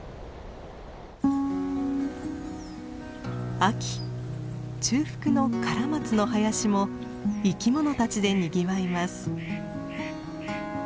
秋中腹のカラマツの林も生き物たちでにぎわいます。